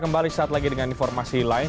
kembali saat lagi dengan informasi lain